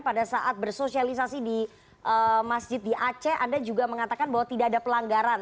pada saat bersosialisasi di masjid di aceh anda juga mengatakan bahwa tidak ada pelanggaran